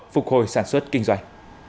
phục hồi sản xuất kinh doanh